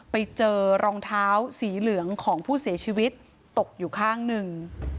ไปเจอรองเท้าสีเหลืองของผู้เสียชีวิตตกอยู่ข้างหนึ่ง